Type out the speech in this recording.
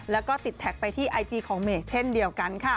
แล้วก็ติดแท็กไปที่ไอจีของเมย์เช่นเดียวกันค่ะ